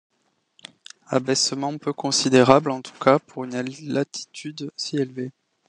Abaissement peu considérable, en tout cas, pour une latitude si élevée.